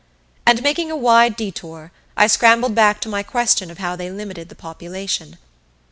And, making a wide detour, I scrambled back to my question of how they limited the population.